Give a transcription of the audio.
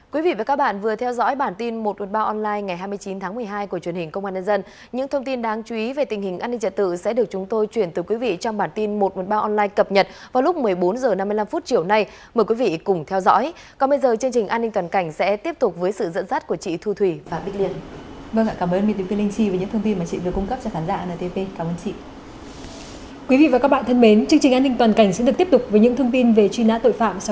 quý vị và các bạn thân mến chương trình an ninh toàn cảnh sẽ được tiếp tục với những thông tin về truy nã tội phạm sau ít phút